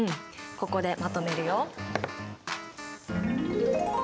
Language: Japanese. ここでまとめるよ。